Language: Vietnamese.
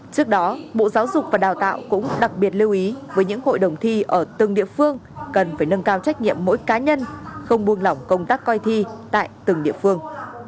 trước đó bộ giáo dục và đào tạo cũng đặc biệt lưu ý với những hội đồng thi ở từng địa phương cần phải nâng cao trách nhiệm mỗi cá nhân không buông lỏng công tác coi thi tại từng địa phương